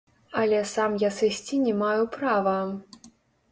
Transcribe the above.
Але сам я сысці не маю права.